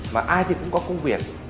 mà ai thì cũng có công việc